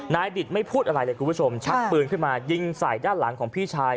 ดิตไม่พูดอะไรเลยคุณผู้ชมชักปืนขึ้นมายิงใส่ด้านหลังของพี่ชาย